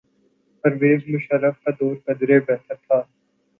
پرویز مشرف کا دور قدرے بہتر تھا۔